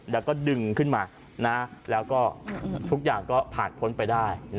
แล้วก็ดึงขึ้นมาแล้วก็ทุกอย่างก็ผ่านพ้นไปได้